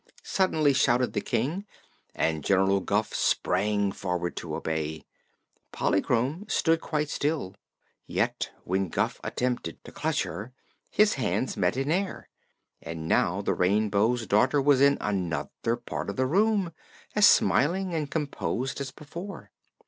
suddenly shouted the King, and General Guph sprang forward to obey. Polychrome stood quite still, yet when Guph attempted to clutch her his hands met in air, and now the Rainbow's Daughter was in another part of the room, as smiling and composed as before.